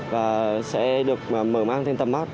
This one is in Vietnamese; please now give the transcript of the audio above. và sẽ được mở mang thêm tầm mắt